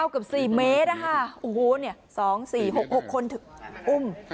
๒๔๖คนถึงอุ้ม